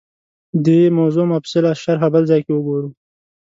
دې موضوع مفصله شرحه بل ځای کې وګورو